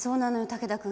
武田君。